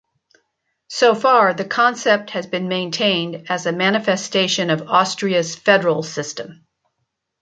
So far, the concept has been maintained as a manifestation of Austria's federal system.